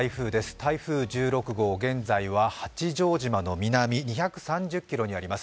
台風１６号、現在は八丈島の南２３０ｋｍにあります。